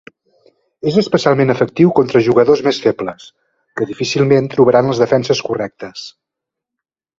És especialment efectiu contra jugadors més febles, que difícilment trobaran les defenses correctes.